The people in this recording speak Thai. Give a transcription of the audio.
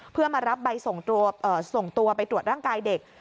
เพื่อมารับใบส่งตัวไปตรวจร่างกายเด็ก